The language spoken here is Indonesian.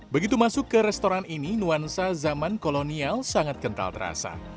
begitu masuk ke restoran ini nuansa zaman kolonial sangat kental terasa